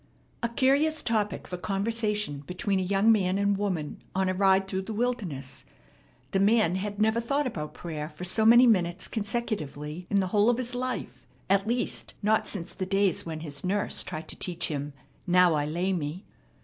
A curious topic for conversation between a young man and woman on a ride through the wilderness. The man had never thought about prayer for so many minutes consecutively in the whole of his life; at least, not since the days when his nurse tried to teach him "Now I lay me."